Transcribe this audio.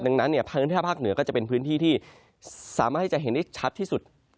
ดังนั้นเนี่ยพื้นที่ภาคเหนือก็จะเป็นพื้นที่ที่สามารถให้จะเห็นได้ชัดที่สุด